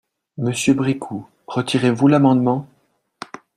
Monsieur Bricout, retirez-vous l’amendement?